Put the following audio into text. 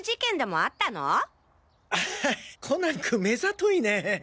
あコナン君めざといね。